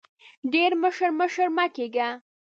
ډېر مشر مشر مه کېږه !